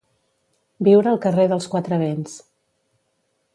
Viure al carrer dels quatre vents.